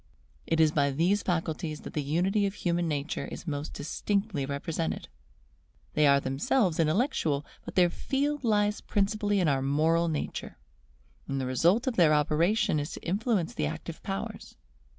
It is by these faculties that the unity of human nature is most distinctly represented: they are themselves intellectual, but their field lies principally in our moral nature, and the result of their operation is to influence the active powers.